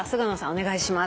お願いします。